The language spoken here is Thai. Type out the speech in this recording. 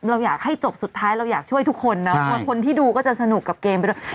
เราอยากให้จบสุดท้ายเราอยากช่วยทุกคนนะกลัวคนที่ดูก็จะสนุกกับเกมไปด้วย